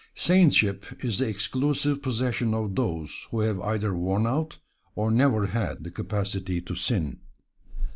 Saintship is the exclusive possession of those who have either worn out, or never had, the capacity to sin.